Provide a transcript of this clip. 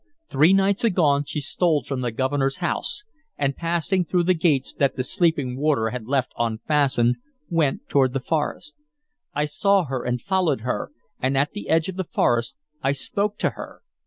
Three nights agone she stole from the Governor's house, and, passing through the gates that the sleeping warder had left unfastened, went toward the forest. I saw her and followed her, and at the edge of the forest I spoke to her.